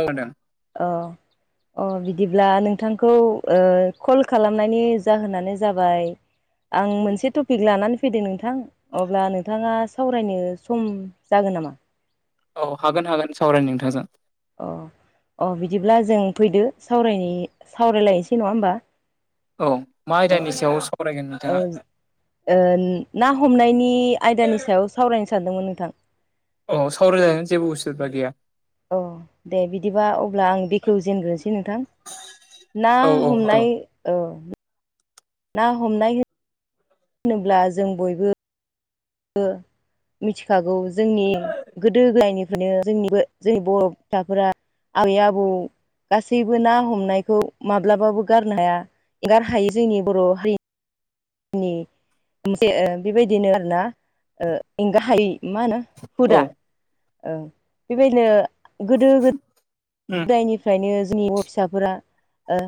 औ दा औ अ' बिदिब्ला नोंथांखौ कल खालामनायनि जाहोनानो जाबाय [unintelligible] आं मोनसे टपिक लानानै फैदों नोंथां अब्ला नोंथाङा सावरायनो सम जागोन नामा? औ हागोन हागोन सावरायनो नोंथांजों। अ' अ' बिदिब्ला जों फैदो सावरायनि सावरायलायनोसै नङा होमबा? औ मा औ आयदानि सायाव सावरायगोन औ नोंथाङा? ओ ना हमनायनि आयदानि सायाव सावरायनो सानदोंमोन नोंथां। औ सावरायजागोन जेबो उसुबिदा गैया। अ दे बिदिबा अब्ला आं बेखेवजेनग्रोनोसै नोंथां। ना औ औ औ हमनाय औ। ना हमनाय हो होनोब्ला जों बयबो बो मिथिखागौ। जोंनि गोदो दायनि फायनो जोंनिबो जोंनि बर' फिसाफोरा आबै आबौ गासैबो ना हमनायखौ माब्लाबाबो गारनो हाया एंगार हायि जोंनि बर' हारिनि नि मोनसे ओ बेबायदिनो आरोना ओ एंगाहायै मा होनो औ हुदा औ बेबायदिनो गोदो गोद उम निफ्रायनो जोंनि बर' फिसाफोरा ओ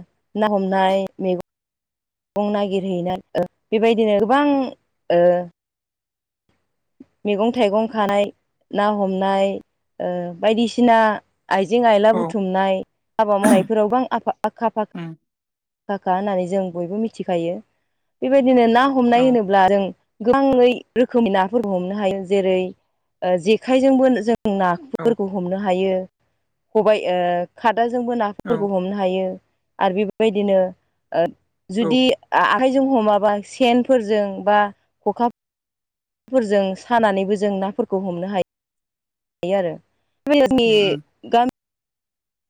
ना हमनाय मेगं बुं नागिरहैनानै बेबायदिनो गोबां ओ मैगं थाइगं खानाय ना हमनाय ओ बायदिसिना आइजें आइला औ बुथुमनाय हाबा मावनायफोराव बां आफा आखा फाखा उम फाखा होननानै जों बयबो मिथिखायो। बेबायदिनो ना औ हमनाय होनोब्ला जों गोबाङै रोखोमै ना फोरबो हमनो हायो जेरै जेखायजोंबो जों औ नाफोरखौ हमनो हायो। खबाइ ओ खादाजोंबो नाफोरखौ हमनो हायो। आरो बेफोरबादिनो ओ औ जुदि आखाइजों हमाबा सेनफोरजों बा खखा फोरजों सानानैबो जों नाफोरखौ हमनो हा यो आरो। उम [unintelligible]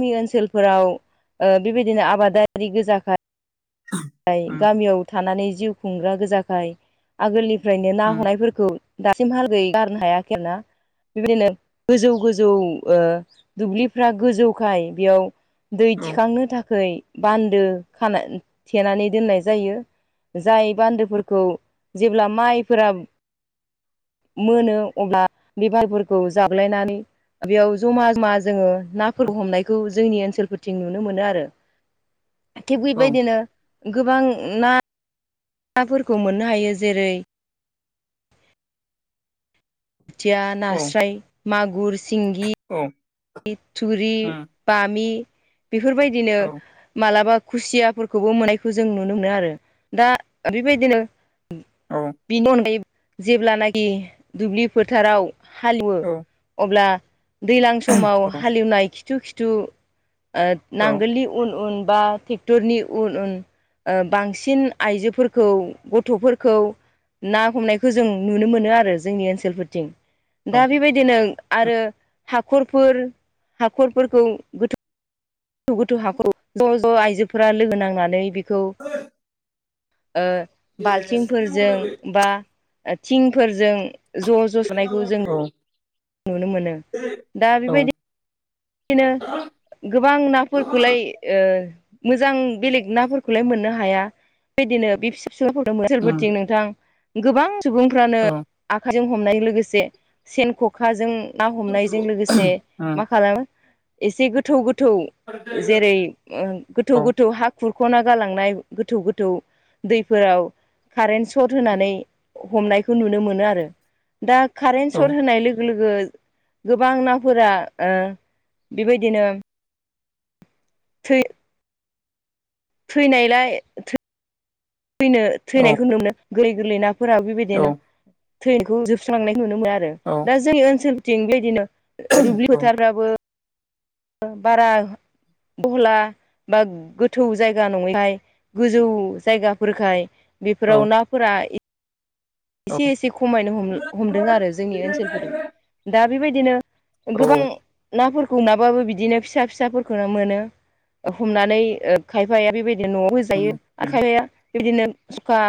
नि ओनसोलफोराव ओ बेबायदिनो आबादारि गोजाखाय य उम गामियाव थानानै जिउ खुंग्रा गोजाखाय आगोलनिफ्रायनो ना उम हमनायफोरखौ दासिमहालागै गारनो हायाखै आरोना। बेबायदिनो गोजौ गोजौ ओ दुब्लिफ्रा गोजौखाय बेयाव दै औ थिखांनो थाखै बान्दो खाना थेनानै दोननाय जायो। जाय बान्दोफोरखौ जेब्ला माइफोरा मोनो अब्ला बे माइफोरखौ जाबलायनानै बेयाव जमा जमा जोङो नाफोर हमनायखौ जोंनि ओनसोलफोरथिं नुनो मोनो आरो। [inaudible] थिग औ बेबायदिनो गोबां ना ना फोरखौ मोननो हायो। जेरै बोथिया, औ नास्राय, मागुर, सिंगि औ गि, थुरि, उम बामि बेफोरबायदिनो औ मालाबा खुसियाफोरखौबो मोननायखौ जों नुनो मोनो आरो। दा बेबायदिनो औ बिनि अनगायै जेब्लानाखि दुब्लि फोथाराव हालेवो औ उम औ अब्ला दैलां समाव उम हालेवनाय खिथु खिथु ओ औ नांगोलनि उन उन बा टे क्टरनि उन उन ओ बांसिन आइजोफोरखौ गथ'फोरखौ ना हमनायखौ जों नुनो मोनो आरो जोंनि ओनसोलफोरथिं। दा बेबायदिनो आरो खरफोर हाखरफोरखौ गोथौ गोथौ गोथौ हाखौ ज' ज' आइजोफोरा लोगो नांनानै बेखौ ओ बाल्थिंफोरजों बा ओ थिंफोरजों ज' ज' सनायखौ जों नुनो मोनो दा बेबाय दि नो गोबां नाफोरखौलाय ओ मोजां बेलेग नाफोरखौलाय मोननो हाया बिबायदिनो बे फिसा [inaudible] थिं नोंथां गोबां सुबुंफ्रानो आखाइजों हमनाय लोगोसे सेन ख'खाजों ना हमनायजों लोगोसे मा खालामो एसे गोथौ गोथौ जेरै ओ गोथौ गोथौ हा खुरख'ना गालांनाय गोथौ गोथौ दैफोराव कारेन्ट सर्ट होनानै हमनायखौ नुनो मोनो आरो। दा कारेन्ट सर्ट होनाय लोगो लोगो गोबां नाफोरा ओ बेबायदिनो थै थैनायलाय थैनो थैनायखौ नुनो मोनो गोरलै गोरलै नाफोरा औ बेबायदिनो थै [unintelligible] खौ जोबस्रोनांनाय नुनो मोनो आरो औ दा जोंनि ओनसोलथिं बेदिनो औ दुब्लि फोथारफ्राबो बारा [unintelligible] बा गोथौ जायगा नङैखाय गोजौ जायगाफोरखाय बेफोराव नाफोरा औ एसे एसे खमायनो हमदों आरो जोंनि ओनसोलफोरजों दा बेबायदिनो औ गोबां नाफोरखौ नाबाबो बिदिनो फिसा फिसाफोरखौनो मोनो। हमनानै ओ खायफाया बेबायदि न'आव बो उम उम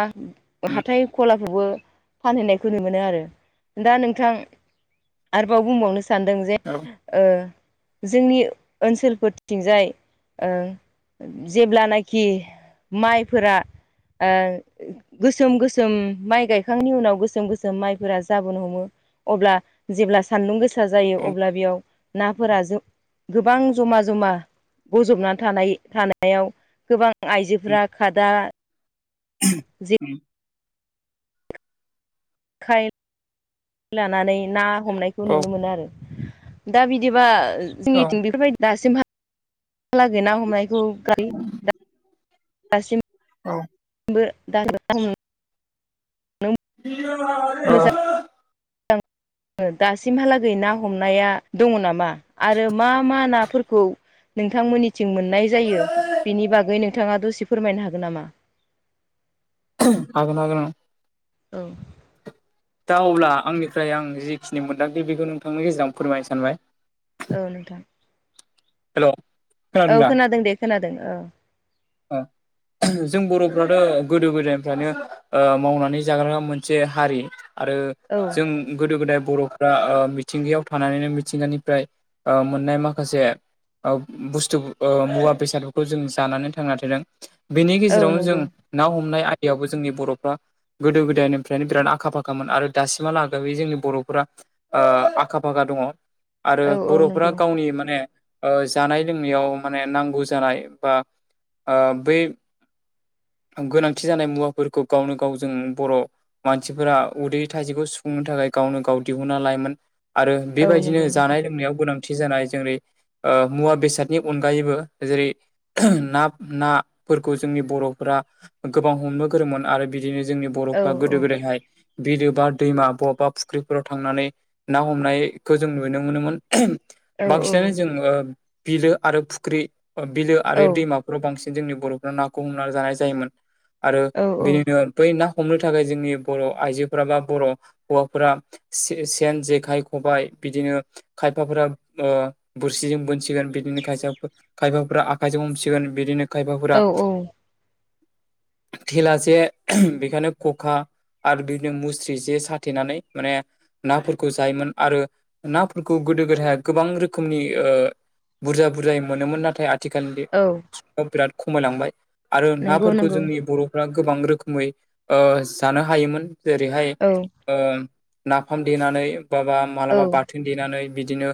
[unintelligible] उम हाथाय खलाफ्रावबो फानहैनायखौ नुनो मोनो आरो दा नोंथां आरोबाव बुंबावनो सानदों जे औ ओ जोंनि ओनसोलफोरथिंजाय जेब्लानाखि माइफोरा आ गोसोम गोसोम माइ गाय बिखांनि उनाव गोसोम गोसोम माइफोरा जाबोनो हमो अब्ला जेब्ला सानदुं गो सा जायो अब्ला बेयाव नाफोरा जो गोबां जमा जमा बजबनानै थानाय थानायाव गोबां आइजोफोरा खादा खाय लानानै ना हमनायखौ औ नुनो मोनो आरो दा बिदिबा जोंनिथिं बेफोरबायदि दासिम हा लागै ना हमनायखौ [unintelligible] औ बो दा [inaudible] मोजां औ दासिमहालागै ना हमनाया दङ नामा आरो मा मा नाफोरखौ नोंथांमोननि थिं मोननाय जायो बिनि बागै नोंथाङा दसे फोरमायनो हागोन नामा? हागोन हागोन उम। औ दा अब्ला आंनिफ्राय आं जिखिनि मोनदांदो बेखौ नोंथांनि गेजेराव फोरमायनो सानबाय। औ नोंथां। हेल' औ खोनादों दे खोनादों औ। ओ जों बर'फ्राथ' गोदो गोदायनिफ्रायानो ओ मावनानै जाग्रा मोनसे हारि आरो औ जों गोदो-गोदाय बर'फोरा ओ मिथिंगायाव लानानैनो मिथिंगानिफ्राय ओ मोननाय माखासे बुस्थु ओ मुवा-बेसादफोरखौ जों जानानै थांना थादों। बेनि औ गेजेरावनो जों नंगौ ना हमनाय आयदायावबो जोंनि बर'फ्रा गोदो-गोदायनिफ्रायनो बिराद आखा-फाखामोन आरो दासिमहालागैै जोंनि बर'फोरा ओ आखा-फाखा दङ। आरो औ औ बर'फोरा नंगौ गावनि माने ओ जानाय-लोंनायाव माने नांगौ जानाय बा ओ बै गोनांथि जानाय मुवाफोरखौ गावनो गाव जों बर' मानसिफोरा उदै थाइसेखौ सुफुंनो थाखाय गावनो गाव दिहुनना लायोमोन। आरो औ बेबायदिनो नंगौ नोंथां जानाय-लोंनायाव गोनां थि जानाय जेरै- ओ मुवा बेसादनि अनगायैबो जेरै- ना नाफोरखौ जोंनि बर'फोरा गोबां हमनो गोरोंमोन आरो बिदिनो जोंनि औ बर'फ्रा औ गोदो-गोदायहाय बिलो बा दैमा बबेबा फुख्रिफोराव थांनानै ना हमनायखौ जों नुनो मोनोमोन। औ बांसिनानो जोङो बिलो आरो फुख्रि बिलो औ आरो दैमा फोरा बांसिन जोंनि बर'फ्रा नाखौ हमना जानाय जायोमोन। आरो औ बिदिनो बै ना हमनो थाखाय जोंनि बर' आइजोफोरा बा बर' हौवाफोरा से-सेन, जेखाइ, खबाय बिदिनो खायफाफोरा ओ बोरसिजों बोनसिगोन बिदिनो खाय खायफाफोरा आखायजों हमसि गोन बिदिनो औ खायफाफोरा औ थेलासे बेखायनो खखा आरो बिदिनो मुस्रि जे साथेनानै माने नाफोरखौ जायोमोन आरो नाफोरखौ गोदो-गोदाय गोबां रोखोमनि ओ बुरजा बुरजायै मोनोमोन। नाथाय आथिखालनि औ बिराद खमायलांबाय आरो नंगौ नाफोरखौ नंगौ जोंनि बर' गोबां रोखोमै ओ जानो हायोमोन। जेरैहाय औ ओ नाफाम देनानै बाबा औ मालाबा बाथोन देनानै बिदिनो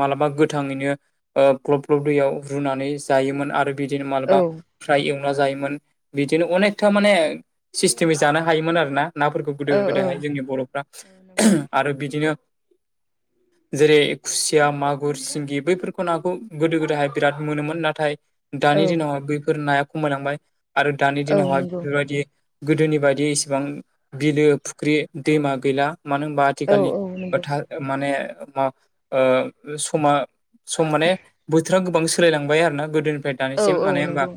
मालाबा गोथाङैनो ओ ग्लब ग्लब दैयाव रुनानै जायोमोन आरो बिदिनो औ मालाबा फ्राय एवना जायोमोन बिदिनो अनेक्था माने सिस्टेमै जानो हायोमोन आरोना। नाफोरखौ औ गोदो-गोदायहाय जोंनि बर'फ्रा नंगौ आरो बिदिनो जेरै खुसिया, मागुर, सिंगि बैफोरखौ नाखौ गोदो-गोदायहाय बिराद मोनोमोन। नाथाय औ दानि दिनावहाय बैफोर नाया खमायलांबाय आरो दानि औ दिनावहाय नंगौ बेफोरबायदि गोदोनि बायदि इसिबां बिलो, फुख्रि, दैमा गैला मानो होनबा औ नंगौ औ आथिखालनि औ फोथार माने मा ओ समा सम माने बोथोरा गोबां सोलायलांबाय आरोना गोदोनिफ्राय दानिसिम मानोे होनबा नंगौ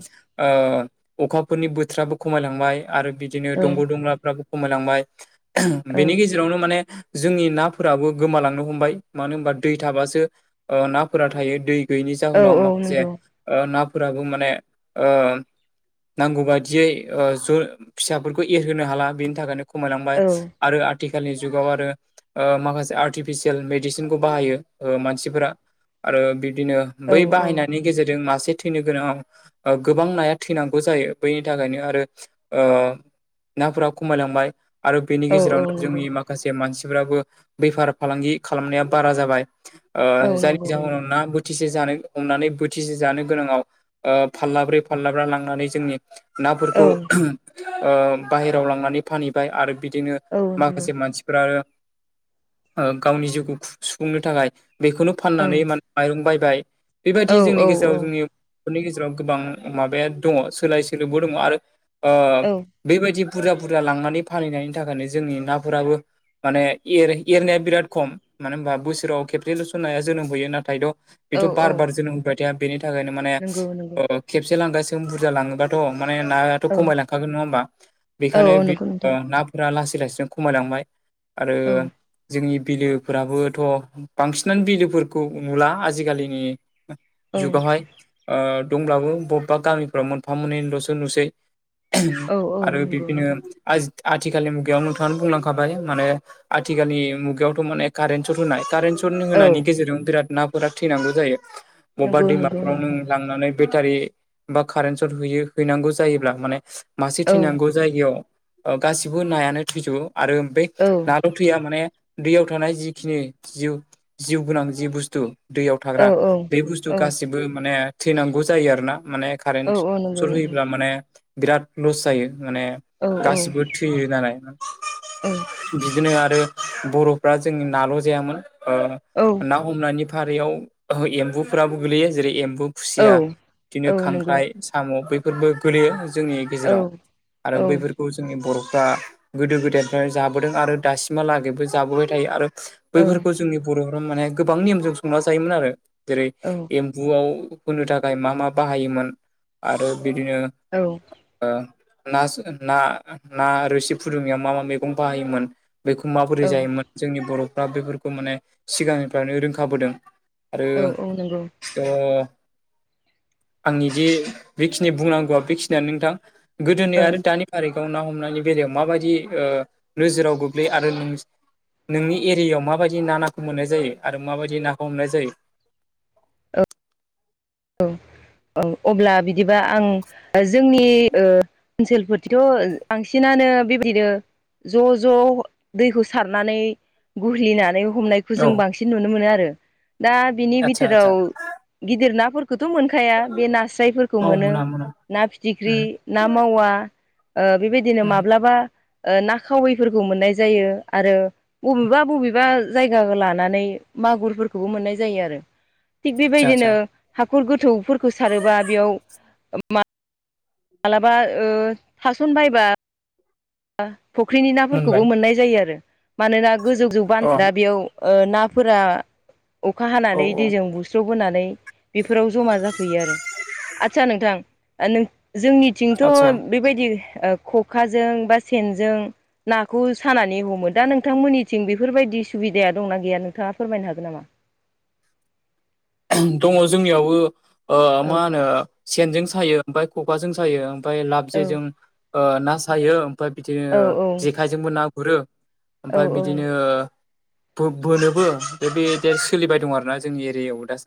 ओ अखाफोरनि बोथोराबो खमायलांबाय आरो बिदिनो औ दंग'-दंलाफ्राबो खमायलांबाय। औ बेनि गेजे रावनो माने जोंनि नाफोराबो गोमालांनो हमबाय। मानो होमबा दै थाबासो ओ नाफोरा थायो दै गैयैनि औ जाहोनाव औ माखासे नंगौ ओ नाफोराबो माने ओ नांगौ बाददियै ओ ज' फिसाफोरखौ एरहोनो हाला बेनि थाखायनो औ खमायलांबाय आरो आथि खालि जुगाव आरो ओ माखासे आर्टिफिसियेल मेडिसिनखौ बाहायो ओ मानसिफोरा। आरो बिबदिनो बै औ बाहायनायनि गेजेरजों मासे थैनो गोनाङाव गोबां नाया थैनांगौ जायो। बैनि थाखायनो आरो ओ नाफोरा खमायलांबाय आरो बेनि औ औ गेजेरावनो नंगौ जोंनि मा खासे मानसिफोराबो बेफार-फालांगि खालामनाया बारा जाबाय। ओ औ जायनि नंगौ नंगौ जाहोनाव ना बोथिसे जानो हमनानै बो थिसे जानो गोनाङाव ओ फारलाब्रै फाललाब्रा लांनानै जोंनि औ नाफोरखौ ओ बाहेरायाव लांनानै फानहैबाय आरो बिदिनो औ नोंथां। माखासे मानसिफोरा ओ आरो गावनि जिउखौ खु सुफुंनो थाखाय बेखौनो ओं फाननानै मान माइरं बायबाय। औ बिदि जोंनि औ गेजेराव जोंनि बर'नि गेजेराव गोबां माबाया दङ सोलाय सोलोबो दङ आरो ओ औ बेबायदि बुरजा - बुरजा लांनानै फालिनायनि थाखायनो जोंनि नाफोराबो माने एर एरनाया बिराद खम मानो होनबा बोसोराव खेबसेैल'सो नाया जोनोम होयो नाथाय द' औ बिथ' औ बार - बार जोनोम हाबाय थाया बेनि थाखायनो माने नंगौ नंगौ ओ खेबसे लांगासिनो बुरजा लाङोबाथ' माने ना थ' औ खमायलांखागोन नङा होमबा औ बेखायनो औ बि नंगौ ओ नोंथां नाफोरा लासै लासैनो खमायलांबाय। आरो औ जोंनि बिलो फोराबोथ' बांसिनानो बिलोफोरखौ नुला आजिखालिनि जुगावहाय ओ दंब्लाबो ब'बावबा गामिफ्राव मोनफा मोननैल'सो नुसै। औ औ आरो नंगौ बिब्दिनो नोंथां आंथ आथिखालनि मुगायाव नोंथाङा बुंलांखाबाय माने आथिखालनि मुगायावथ' माने कारेन्ट स'ट होनाय कारेन्ट स' [unintelligible] औ होनायनि गेजेरजों बिराद नाफोरा थैनांगौ जायो बबेबा नंगौ नंगौ दैमाफोरानो नोंथां लांनानै बेटारि बा कारेन्ट स'ट हैयो हैनांगौ जायोब्ला माने मासे औ थैनांगौ जायगायाव ओ गासिबो नायानो थैजोबो आरो बे औ ना द' थिया माने दैयाव थानाय जिखिनि जिउ-जिउ गोनां जि बुस्थु दैयाव औ थाग्रा बे बुस्थु औ गासिबो माने थैनांगौ जायो आरो ना माने औ कारेन्ट नंगौ सर्ट नंगौ होयोब्ला माने बिराद ल'स जायो माने औ गासिबो थैयो नालाय। औ बिदिनो आरो बर'फ्रा जोंनि नाल' जायामोन। औ। ना हमनायनि फारियाव एम्बुफोराबो गोलैयो जेरै एम्बु औ खुसिया बिदिनो औ नंगौ खांख्राइ साम' बैफोरबो गोलैयो जोंनि औ गेजेराव औ आरो बैफोर खौ जोंनि बर'फ्रा गोदो गोदायनिफ्राय जाबोदों आरो दासिमहालागैबो जाबोबाय थायो आरो। बैफोरखौ जोंनि बर'फोराव माने गोबां नेमजों संना जायोमोन आरो जेरै औ। एम्बुआव होनो थाखाय मा-मा बाहायोमोन आरो बिदिनो औ। ओ नास ना - ना रोसि फुदुंनायाव मा - मा मैगं बाहायोमोन? बेखौ माबोरै जायोमोन जोंनि बर'फ्रा बेफोरखौ माने सिगांनिफ्रायनो रोंखाबोदों। आरो ओ नोंगौ। ओ आंनि जि बिखिनि बुंनांगोआ बिखिनिया नोंथां। गोदोनि औ आरो दानि थारिगाव ना हमनायनि बेलायाव माबायदि ओ नोजोराव गोग्लैयो आरो नों नोंनि एरियाव माबायदि ना - ना खो मोननाय जायो आरो माबायदि नाखौ हमनाय जायो। औ - औ अब्ला बिदिबा आं जोंनि ओ ओनसोलफोरथिथ' बांसिनानो बेबायदिनो ज' - ज' दैखौ सारनानै गुरहैनानै हमनाय खौ औ जों बांसिन नुनो मोनो आरो दा बिनि आदसा आदसा बिथोराव गिदिर नाफोरखौथ' मोन खाया बे नास्रायफोरखौ औ मोनो मोना मोना ना फिथिख्रि, उम ना मावा ओ बेबायदिनो उम माब्लाबा ओ ना खावैफोरखौ मोननाय जायो आरो बबेबा - बबेबा जायगा लानानै मागुरफोरखौबो मोननाय जायो आरो। थिग आदसा आदसा बेबायदिनो हाखर गोथौफोरखौ सारोबा बेयाव [unintelligible] मालाबा थास'नबायबा [unintelligible] फुख्रिनि नाफोरखौबो मोनबाय मोननाय जायो आरो मानोना गोजौजौ बान अ दा बेयाव ओ नाफोरा अखा औ हानानै औ दैजों बुस्रावबोनानै बेफोराव जमा जाफैयो आरो आदसा नोंथां जोंनिथिंथ' आदसा बेबायदि ख'खाजों बा सेनजों नाखौ सानानै हमो दा नोंथांमोननिथिं बेफोरबायदि सुबिदाया दंना गैया नोंथाङा फोरमायनो हागोन नामा? दङ जोंनियावबो औ मा होनो सेनजों सायो ओमफ्राय खखाजों सायो। ओमफ्राय लाब औ जेजों ना सायो ओमफ्राय बिदिनो औ जेखायजोंबो ना गुरो। औ ओमफ्राय औ बिदिनो बो-बोनोबो बे बे सोलिबाय दं आरोना जोंनि एरियायाव। दासान्दि